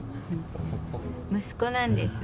息子なんです。